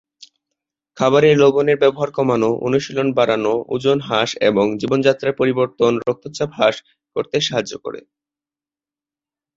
খাবারে লবণের ব্যবহার কমানো, অনুশীলন বাড়ানো, ওজন হ্রাস এবং জীবনযাত্রার পরিবর্তন রক্তচাপ হ্রাস করতে সহায়তা করে।